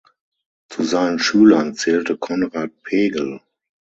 Zu seinen Schülern zählte Konrad Pegel.